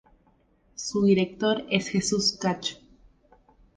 Su director es Jesús Cacho.